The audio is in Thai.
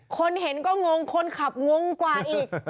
คนเห็นก็งงคนขับงงกว่าอีก